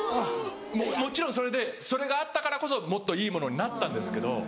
もちろんそれがあったからこそもっといいものになったんですけど。